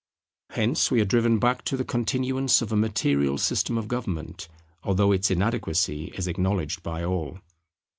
Hence we are driven back to the continuance of a material system of government, although its inadequacy is acknowledged by all.